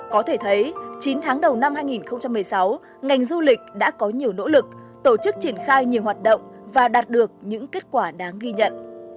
có thể thấy chín tháng đầu năm hai nghìn một mươi sáu ngành du lịch đã có nhiều nỗ lực tổ chức triển khai nhiều hoạt động và đạt được những kết quả đáng ghi nhận